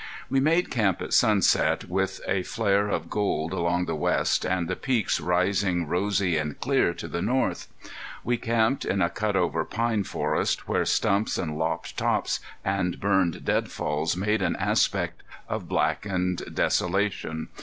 We made camp at sunset, with a flare of gold along the west, and the Peaks rising rosy and clear to the north. We camped in a cut over pine forest, where stumps and lopped tops and burned deadfalls made an aspect of blackened desolation.